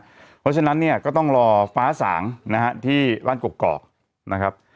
เพราะฉะนั้นเนี่ยก็ต้องรอฟ้าสางนะฮะที่บ้านกกอกนะครับ